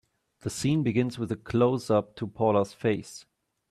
The scene begins with a closeup to Paula's face.